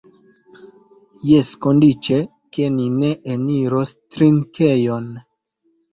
Jes, kondiĉe, ke ni ne eniros trinkejon.